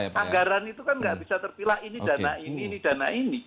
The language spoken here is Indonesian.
anggaran itu kan nggak bisa terpilah ini dana ini ini dana ini